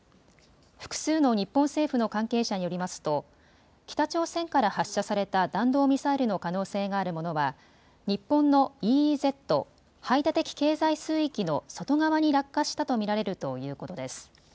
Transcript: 複数の日本政府の関係者によりますと北朝鮮から発射された弾道ミサイルの可能性があるものは日本のＥＥＺ・排他的経済水域の外側に落下したと見られるということです。